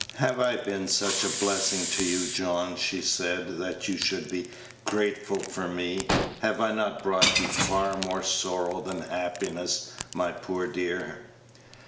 "Have I been such a blessing to you, John," she said, "that you should be grateful for me? Have I not brought you far more sorrow than happiness, my poor dear?"